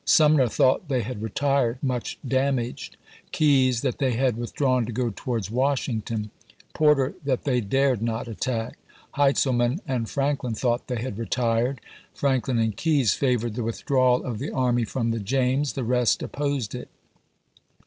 Sumner thought they had retired, much damaged ; Keyes that they had withdrawn to go towards Washington ; Porter that they dared not attack ; Heintzelman and Franklin thought they had retired ; Franklin and Keyes favored the withdrawal of the army from the James; the rest opposed it.